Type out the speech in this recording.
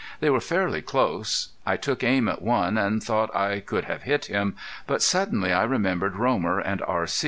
They were fairly close. I took aim at one, and thought I could have hit him, but suddenly I remembered Romer and R.